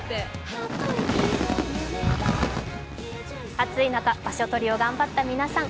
暑い中、場所取りを頑張った皆さん